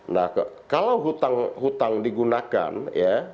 nah kalau hutang hutang digunakan ya